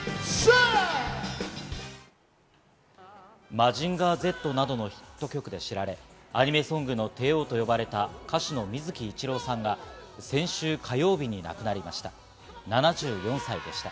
『マジンガーＺ』などのヒット曲で知られ、アニメソングの帝王と呼ばれた歌手の水木一郎さんが先週火曜日に亡くなりました。